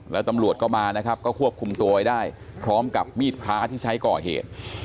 แล้วตำรวจก็มานะครับก็ควบคุมตัวไว้ได้พร้อมกับมีดพระที่ใช้ก่อเหตุ